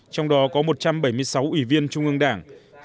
trong đó có một trăm bảy mươi sáu ủy viên trung ương đảng